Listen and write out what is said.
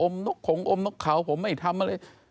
นกขงอมนกเขาผมไม่ทำอะไร